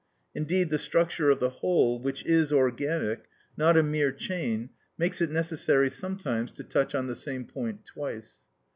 Indeed the structure of the whole, which is organic, not a mere chain, makes it necessary sometimes to touch on the same point twice.